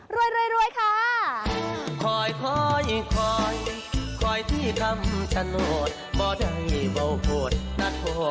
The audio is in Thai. รวยค่ะ